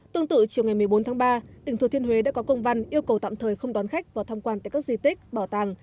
tương tự chiều ngày một mươi bốn tháng ba tỉnh thừa thiên huế đã có công văn yêu cầu tạm thời không đón khách vào tham quan tại các di tích bảo tàng